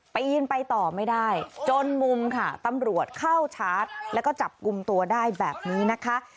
ปีนไปต่อไม่ได้จนมุมค่ะตำรวจเข้าชาร์จแล้วก็จับกลุ่มตัวได้แบบนี้นะคะ